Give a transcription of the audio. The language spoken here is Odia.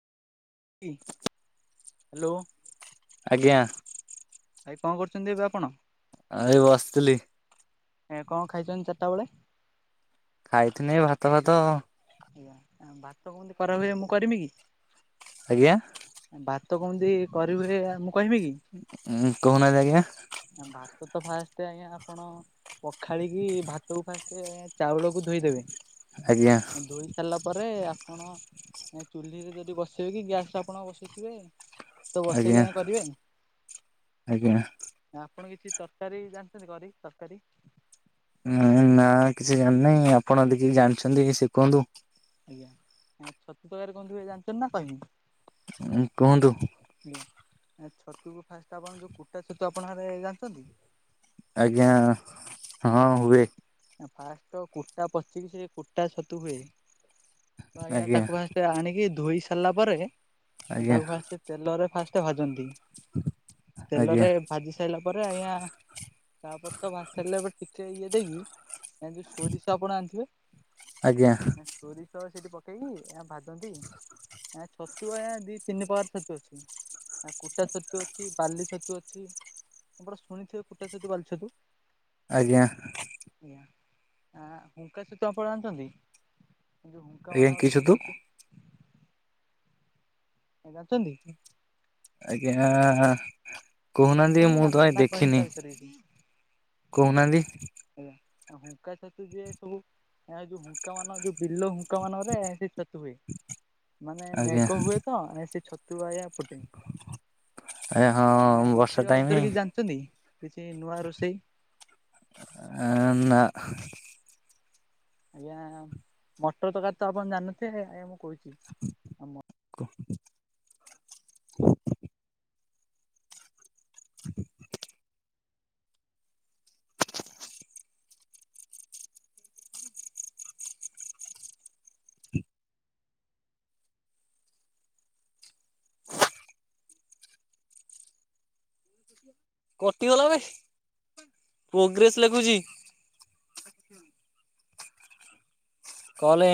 ହ୍ୟାଲୋ ଆଜ୍ଞା। ଭାଇ କଣ କରୁଛନ୍ତି ଏବେ ଆପଣ? ଆ ଏ ବସିଥିଲି। ଏ କଣ ଖାଇଛନ୍ତି ଚାରିଟା ବେଳେ? ଖାଇଥିନି ଏ ଭାତ ଫାତ। ଆଜ୍ଞା ଭାତ କେମତି କରା ହୁଏ ମୁଁ କରମି କି? ଆଜ୍ଞା? ଭାତ କେମିତି କରିହୁଏ ମୁଁ କହିବି କି? ଉଁ କହୁନାହାନ୍ତି ଭାତ ଫାଷ୍ଟ ଆଜ୍ଞା ଆପଣ ପଖାଳିକି ଭାତକୁ ଫାଷ୍ଟ ଚାଉଳକୁ ଧୋଇଦେବେ ଆଜ୍ଞା। ଧୋଇ ସାରିଲା ପରେ ଆପଣ ଏ ଚୁଲୀରେ ଯଦି ବସେଇବେ କି ଗ୍ୟାସ ରେ ଆପଣ ବସେଇଥିବେ ତୁ ବସେଇକି ଆଜ୍ଞା ଆଗେ କରିବେ ଆଜ୍ଞା ଆଜ୍ଞା। ତ ଆପଣ କିଛି ତରକାରୀ ଜାଣିଛନ୍ତି କରି ତରକାରୀ? ଉ ନା କିଛି ଜାଣିିନାହିଁ। ଆପଣ ଯଦି କିଛି ଜାଣିଛନ୍ତି ଶିଖନ୍ତୁ। ଛତୁ ତରକାରୀ ଜାଣିଛନ୍ତି ନା କହିବି? ଉ କୁହନ୍ତୁ? ଆ ଛତୁକୁ ଫାଷ୍ଟ ଆପଣ ଯୋଉ କୁଟା ଛତୁ ଆପଣ ଆଡେ ଜାଣିଛନ୍ତି? ଆଜ୍ଞା ହଁ ଆଜ୍ଞା ହୁଏ। ଫାଷ୍ଟ ତ କୁଟା ପଚିକି ସେ କୁଟା ଛତୁ ହୁଏ। ତ ଆଜ୍ଞା ତାକୁ ଫାଷ୍ଟ ଆଣିକି ଧୋଇ ସାରିଲା ପରେ ଆଜ୍ଞା ତାକୁ ଫାଷ୍ଟ ତେଲରେ ଫାଷ୍ଟ କେତେ ଭାଜନ୍ତି ଆଜ୍ଞା ତେଲରେ ଭାଜି ସାରିଲା ତା ପରେ ଆଜ୍ଞା ତାପରେ ତ ଭାଜି ସାରିଲେ ଏ ଟିକେ ଇଏ ଦେଇକି ଏ ଯୋଉ ସୋରିଷ ଆପଣ ଆଣିଥିବେ ଆଜ୍ଞା ସୋରିଷ ଛତ ସେଠି ପକେଇକି ଭାଜନ୍ତି ଏ ଛତୁ ଏ ଦି ତିନି ପ୍ରକାର ଛତୁ ଅଛି। ଆ କୁଟା ଛତୁ ଅଛି, ବାଲି ଛତୁ ଅଛି ଆପଣ ଶୁଣିଥିବେ କୁଟା ଛତୁ ବାଲି ଛତୁ? ଆଜ୍ଞା। ଆଜ୍ଞା। ଆ ହୁଙ୍କା ଛତୁ ଆପଣ ଜାଣିଛନ୍ତି? କି ହୁଙ୍କ ଆଜ୍ଞା ମାନଙ୍କରେ କିଛୁ ହୁଏ ତୁ ଛତୁ ଜାଣିଛନ୍ତି? ଆଜ୍ଞା। ଜାଣିଛ କହୁନାହାନ୍ତି ନା ମୁଁ ତ ଜାଣିନ କାଇଁ ନା କହିମି ଦେଖିନି ତା ବିଷୟରେ କିଛି କହୁନାହାନ୍ତି। ଆଜ୍ଞା ହୁଙ୍କା ଛତୁ ଯେ ସବୁ ଏ ଯୋଉ ହୁଙ୍କା ମାନ ଯୋଉ ବିଲ ହୁଙ୍କା ମାନଙ୍କରେ ସେ ଛତୁ ହୁଏ। ମାନେ ଆଜ୍ଞା ମେଘ ହୁଏ ତ ସେ ଛତୁ ତୁ ଆଞା ଫୁଟେ। ଆଜ୍ଞା ହଁ ବର୍ଷା ରୋଷେଇ ଟାଇମ ଵାବଦରେ କିଛି ଜାଣିଛନ୍ତି କି? କିଛି ନୂଆ ରୋଷେଇ? ଆ ନାଁ। ଆଜ୍ଞା ମଟର ତରକାର ତ ଆପଣ ଜାଣିନଥିବେ ଆଜ୍ଞା ମୁଁ କହୁଛି ଆ କଟିଗଲାବେ। ପୋଗ୍ରେସ୍ ଲେଖୁଛି କଲ